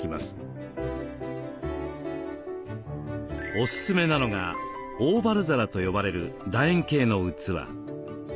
おすすめなのが「オーバル皿」と呼ばれるだ円形の器。